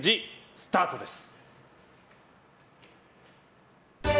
スタートです。